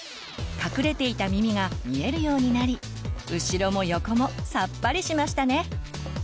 隠れていた耳が見えるようになり後ろも横もさっぱりしましたね！